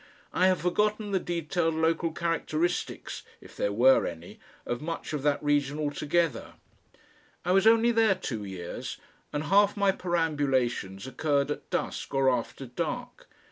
I have forgotten the detailed local characteristics if there were any of much of that region altogether. I was only there two years, and half my perambulations occurred at dusk or after dark.